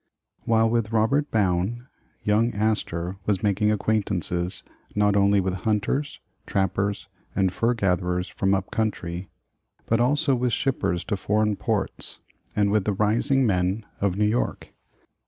WHILE with Robert Bowne, young Astor was making acquaintance not only with hunters, trappers, and fur gatherers from up country, but also with shippers to foreign ports, and with the rising men of New York.